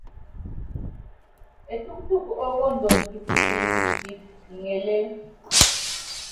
Etútúk ókondon kisikɛl kitikit iŋélé.